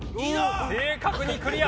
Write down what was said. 正確にクリア。